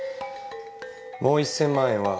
もう１０００万円は。